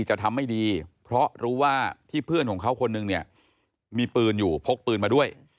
จะทำไม่ดีเพราะรู้ว่าที่เพื่อนของเขาคนนึงเนี่ยมีปืนอยู่พกปืนมาด้วย